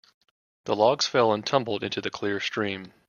The logs fell and tumbled into the clear stream.